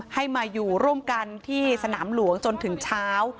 ให้มาอยู่ร่วมกันที่สนามหลวงจนถึงเช้า